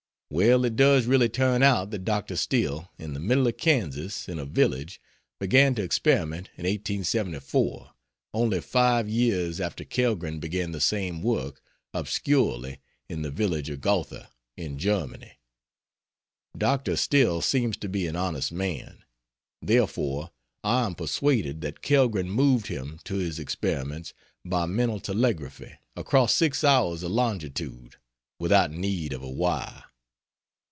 Well, it does really turn out that Dr. Still, in the middle of Kansas, in a village, began to experiment in 1874, only five years after Kellgren began the same work obscurely in the village of Gotha, in Germany. Dr. Still seems to be an honest man; therefore I am persuaded that Kellgren moved him to his experiments by Mental Telegraphy across six hours of longitude, without need of a wire.